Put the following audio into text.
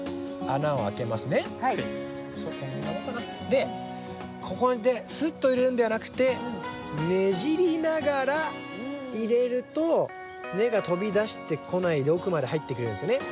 でここですっと入れるんではなくてねじりながら入れると根が飛び出してこないで奥まで入ってくれるんですよね。